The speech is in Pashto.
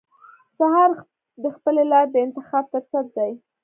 سهار د خپلې لارې د انتخاب فرصت دی.